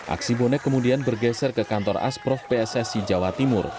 aksi bonek kemudian bergeser ke kantor asprof pssi jawa timur